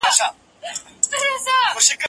زه لاس مينځلي دي!؟